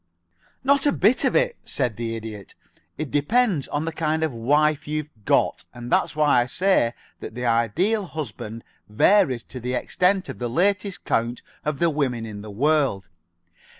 "Not a bit of it," said the Idiot. "It depends on the kind of wife you've got, and that's why I say that the Ideal Husband varies to the extent of the latest count of the women in the world.